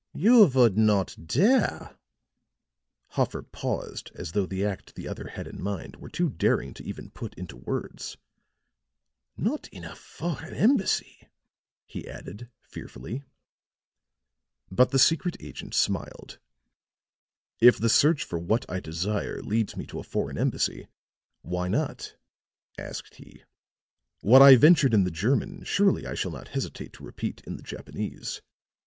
"You would not dare " Hoffer paused as though the act the other had in mind were too daring to even put into words. "Not in a foreign embassy," he added, fearfully. But the secret agent smiled. "If the search for what I desire leads me to a foreign embassy, why not?" asked he. "What I ventured in the German surely I shall not hesitate to repeat in the Japanese.